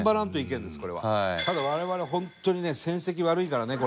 ただ我々本当にね戦績悪いからね